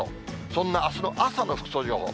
そんなあすの朝の服装情報。